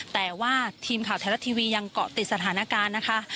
แต่ว่าทีมข่าวไทยรัฐทีวียังเกาะติดสถานการณ์นะคะ